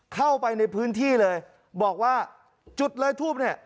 เข้าไปในพื้นที่เลยบอกว่าจุดเลยทูบเนี่ย